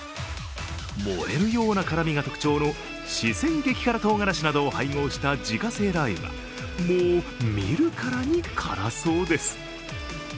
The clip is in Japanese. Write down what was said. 燃えるような辛みが特徴の四川激辛とうがらしなどを配合した自家製ラー油が、もう見るからに辛そうです。